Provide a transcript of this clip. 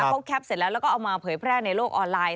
เขาแคปเสร็จแล้วแล้วก็เอามาเผยแพร่ในโลกออนไลน